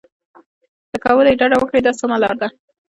له کولو یې ډډه وکړئ دا سمه لار ده.